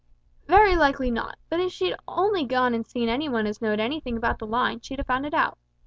"Very likely not; but if she'd only gone an' seen any one as know'd anything about the line, she'd have found it out.